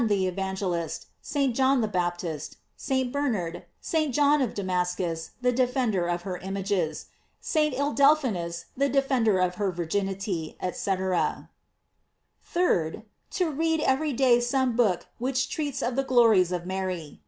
671 the Evangelist, St. John the Baptist, St. Bernard, St. John of Damascus, the defender of her im ages, St. Ildephonsus, the defender of her vir ginity, &c. 3d. To read every day some book which treats of the glories of Mary.